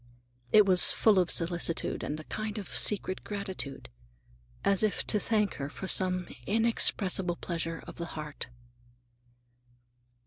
It was full of solicitude, and a kind of secret gratitude, as if to thank her for some inexpressible pleasure of the heart.